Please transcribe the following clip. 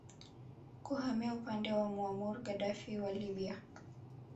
kuhamia upande wa Muammar Gaddafi wa Libya